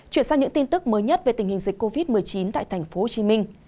chuyển sang những tin tức mới nhất về tình hình dịch covid một mươi chín tại tp hcm